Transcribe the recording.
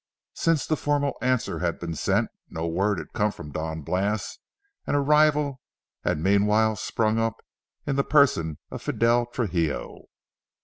Since the formal answer had been sent, no word had come from Don Blas and a rival had meanwhile sprung up in the person of Fidel Trujillo.